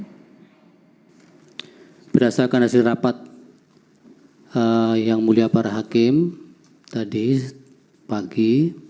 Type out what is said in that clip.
berdasarkan hasil rapat yang mulia para hakim tadi pagi